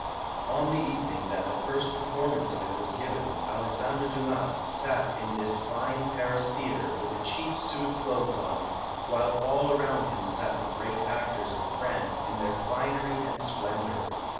On the evening that the first performance of it was given, Alexandre Dumas sat in this fine Paris theatre with a cheap suit of clothes on, while all around him sat the great actors of France in their finery and splen dor.